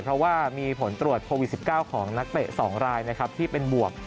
เพราะว่ามีผลตรวจโควิด๑๙ของนักเตะ๒รายนะครับที่เป็นบวก